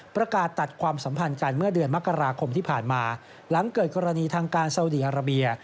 ประกาศตัดความสัมพันธ์กันเมื่อเดือนมกราคมที่ผ่านมาหลังเกิดกรณีทางการซาวดีอาราเบีย